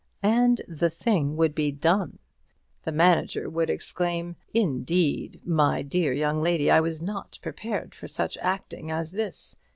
and the thing would be done. The manager would exclaim, "Indeed, my dear young lady, I was not prepared for such acting as this.